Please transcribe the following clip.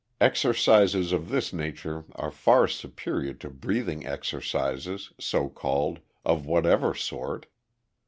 Exercises of this nature are far superior to breathing exercises, so called, of whatever sort.